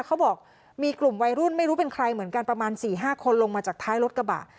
เขาบอกมีกลุ่มวัยรุ่นไม่รู้เป็นใครเหมือนกันประมาณ๔๕คนลงมาจากท้ายรถกระบะ